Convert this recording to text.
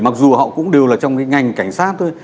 mặc dù họ cũng đều là trong cái ngành cảnh sát thôi